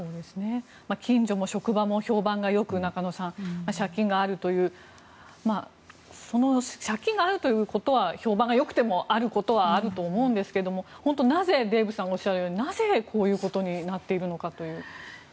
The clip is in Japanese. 近所も職場も評判がよく中野さん、借金があるというその借金があるということは評判がよくてもあることはあると思うんですが本当にデーブさんがおっしゃるようになぜ、こういうことになっているのかという。